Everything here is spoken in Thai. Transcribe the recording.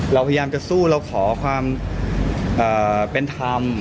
เราพยายามจะสู้เราขอความเป็นธรรม